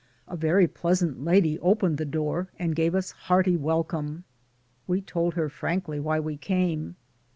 A very pleasant lady opened the door and gave us hearty welcome. We told her frankly why we came.